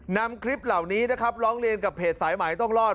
นำคลิปเหล่านี้นะครับร้องเรียนกับเพจสายใหม่ต้องรอด